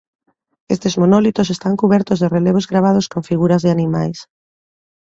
Estes monólitos están cubertos de relevos gravados con figuras de animais.